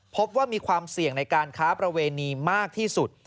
พบว่ามีความเสี่ยงในการค้าประเวณีมากที่สุด